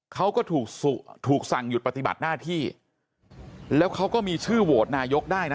เขาก็ถูกถูกสั่งหยุดปฏิบัติหน้าที่แล้วเขาก็มีชื่อโหวตนายกได้นะ